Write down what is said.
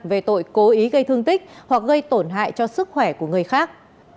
về tội cố ý gây thương tích hoặc gây tổn hại cho sức khỏe của người khác